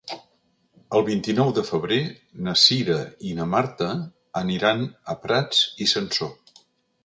El vint-i-nou de febrer na Cira i na Marta aniran a Prats i Sansor.